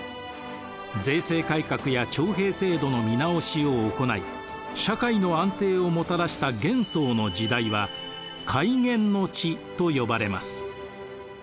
税制改革や徴兵制度の見直しを行い社会の安定をもたらした玄宗の時代は開元の治と呼ばれます。